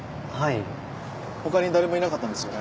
他に誰もいなかったんですよね。